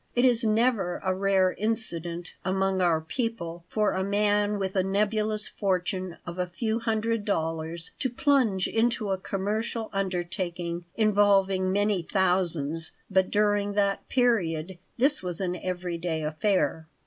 It is never a rare incident among our people for a man with a nebulous fortune of a few hundred dollars to plunge into a commercial undertaking involving many thousands; but during that period this was an every day affair.